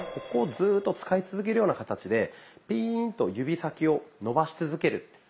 ここをずっと使い続けるような形でピーンと指先を伸ばし続ける。